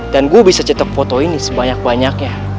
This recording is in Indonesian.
dan gue bisa cetek foto ini sebanyak banyaknya